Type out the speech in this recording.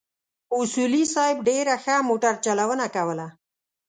اصولي صیب ډېره ښه موټر چلونه کوله.